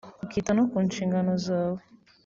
ukita no ku nshingano zawe